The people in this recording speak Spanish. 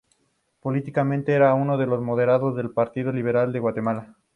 Políticamente era uno de los moderados del Partido Liberal de Guatemala.